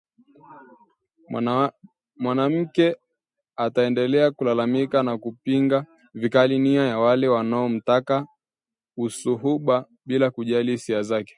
Mwanamke anaendelea kulalamika na kupinga vikali nia ya wale wanaomtaka usuhuba bila kujali hisia zake